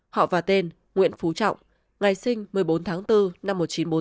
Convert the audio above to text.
họ và tên nguyễn phú trọng ngày sinh một mươi bốn tháng bốn năm một nghìn chín trăm bốn mươi năm